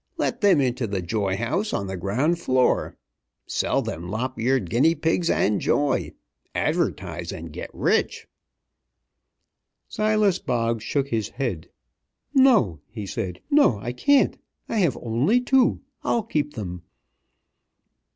Let them into the joy house on the ground floor. Sell them lop eared guinea pigs and joy. Advertise, and get rich!" Silas Boggs shook his head. "No!" he said. "No! I can't. I have only two. I'll keep them."